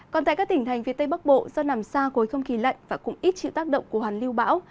còn tại các tỉnh thành phía tây bắc bộ do nằm xa gối không khí lạnh và cũng ít chịu tác động của hoàn lưu bão